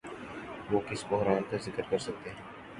وہ کس بحران کا ذکر کرسکتے ہیں؟